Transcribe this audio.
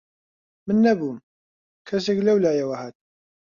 من نەبووم، کەسێک لەولایەوە هات